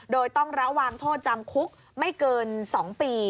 โดยต้องระวังโทษจำคุกไม่เกิน๒ปี